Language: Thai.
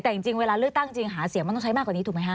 แต่จริงเวลาเลือกตั้งจริงหาเสียงมันต้องใช้มากกว่านี้ถูกไหมฮ